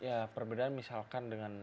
ya perbedaan misalkan dengan